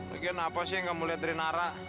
bagian apa sih yang kamu lihat dari nara